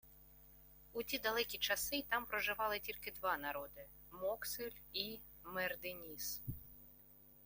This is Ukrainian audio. У ті далекі часи там проживали «тільки два народи: Моксель і Мердиніс»